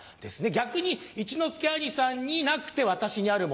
逆に一之輔兄さんになくて私にあるもの。